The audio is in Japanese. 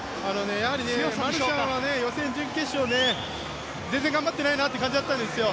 やはりマルシャンは予選、準決勝で全然頑張っていない感じだったんですよ。